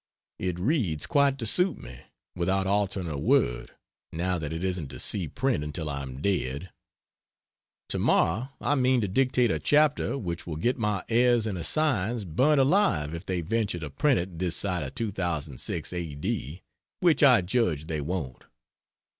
It reads quite to suit me, without altering a word, now that it isn't to see print until I am dead. To morrow I mean to dictate a chapter which will get my heirs and assigns burnt alive if they venture to print it this side of 2006 A.D. which I judge they won't.